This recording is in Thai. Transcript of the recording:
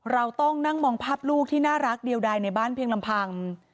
เราต้องนั่งมองภาพลูกที่น่ารักเดียวใดในบ้านเพียงลำพัง